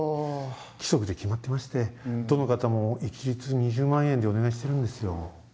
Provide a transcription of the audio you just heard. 規則で決まってましてどの方も一律２０万円でお願いしてるんですよ。